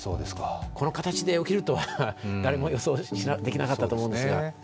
この形で起きるとは誰も予想できなかったと思うんですが。